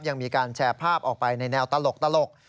ยังมีการแชร์ภาพออกไปในแนวตลก